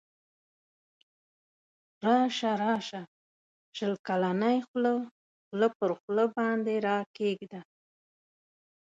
راسه راسه شل کلنی خوله خوله پر خوله باندی راکښېږده